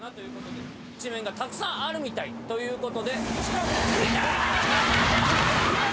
一面がたくさんあるみたいということで。